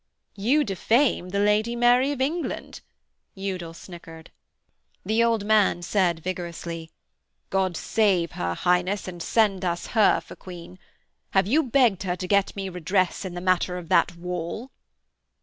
'You defame the Lady Mary of England,' Udal snickered. The old man said vigorously, 'God save her highness, and send us her for Queen. Have you begged her to get me redress in the matter of that wall?'